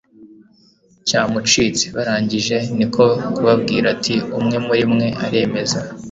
cyamucitse. barangije ni ko kubabwira ati umwe muri mwe aremeza